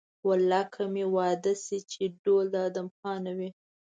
والله که مې واده شي چې ډول د ادم خان نه وي.